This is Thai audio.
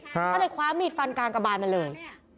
ก็เลยคว้ามีดฟันกลางกระบานมาเลย